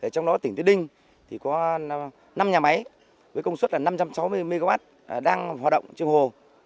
trong đó tỉnh tuyết đinh có năm nhà máy với công suất là năm trăm sáu mươi mw đang hoạt động trên hồ